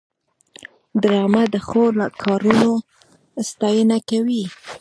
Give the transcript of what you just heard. ډرامه د ښو کارونو ستاینه کوي